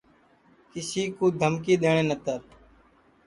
کسی کُو دھمکی دؔیٹؔے نتر